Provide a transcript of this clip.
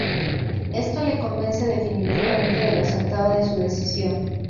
Esto le convence definitivamente de lo acertado de su decisión.